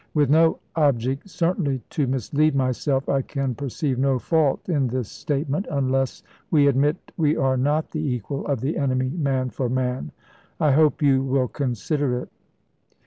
With no object, certainly, to mislead myself, I can perceive no fault in this statement. 236 ABRAHAM LINCOLN Chap. IX. unless WG admit we are not the equal of the enemy, man for man. I hope you will consider it.